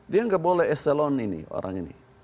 dia nggak boleh eselon ini orang ini